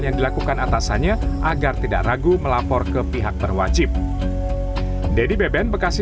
dan melakukan atasannya agar tidak ragu melapor ke pihak berwajib